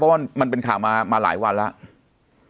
เพราะว่ามันเป็นข่าวมาหลายวันแล้ว